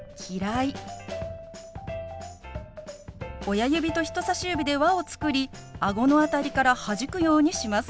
親指と人さし指で輪を作りあごの辺りからはじくようにします。